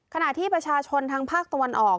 ขณะที่ประชาชนทางภาคตะวันออก